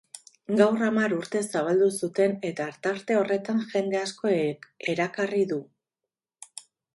Gaur hamar urte zabaldu zuten eta tarte horretan jende asko erakarri du.